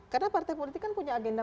karena partai politik kan punya agenda